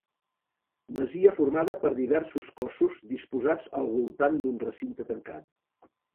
Masia formada per diversos cossos disposats al voltant d'un recinte tancat.